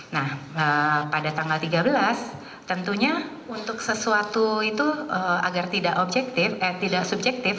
nah pada tanggal tiga belas tentunya untuk sesuatu itu agar tidak objektif eh tidak subjektif